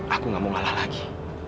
aku gak mau ngalah lagi